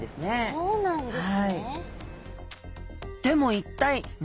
そうなんです。